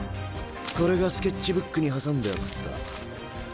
これがスケッチブックに挟んであった。